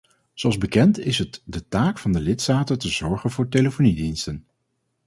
Zoals bekend is het de taak van de lidstaten te zorgen voor telefoniediensten.